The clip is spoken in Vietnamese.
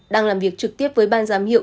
đang làm việc trực tiếp với ban giám hiệu